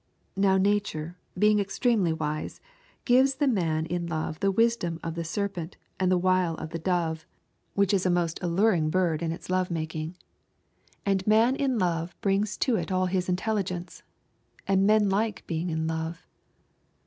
Now Nature, being extremely wise, gives the man in love the wisdom of the serpent and the wile of the dove (which is a most alluring bird in its love making). A man in love brings to it all his intelligence. And men like being in love.